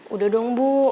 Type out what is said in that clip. udah dong bu